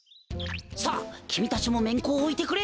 さあきみたちもめんこをおいてくれ。